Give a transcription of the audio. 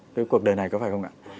cái cuộc đời này có phải không ạ